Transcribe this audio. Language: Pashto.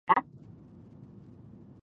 پېیر کوري د راډیوم نوم تایید کړ.